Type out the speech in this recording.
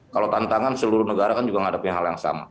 kalau tantangan seluruh negara kan juga menghadapi hal yang sama